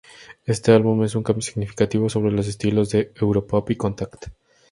Este álbum es un cambio significativo sobre los estilos de Europop y Contact!